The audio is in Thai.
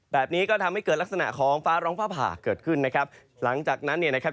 แบบนี้ก็ทำให้เกิดลักษณะของฟ้าร้องฟ้าผ่าเกิดขึ้นนะครับหลังจากนั้นเนี่ยนะครับ